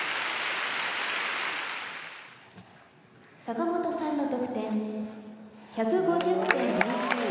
「坂本さんの得点１５０．２９」